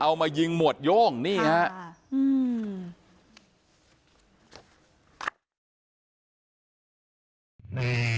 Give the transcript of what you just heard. เอามายิงหมวดโย่งนี่ฮะอืม